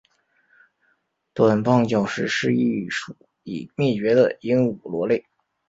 短棒角石是一属已灭绝的鹦鹉螺类。